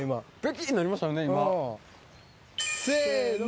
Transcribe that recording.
せの！